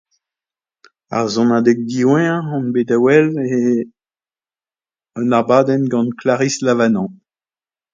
Ar sonadeg diwezhañ hon bet da welet eo un abadenn gant Clarisse Lavanant